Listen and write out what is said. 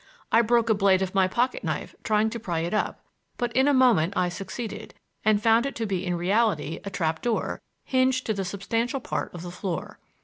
I broke a blade of my pocket knife trying to pry it up, but in a moment I succeeded, and found it to be in reality a trap door, hinged to the substantial part of the floor.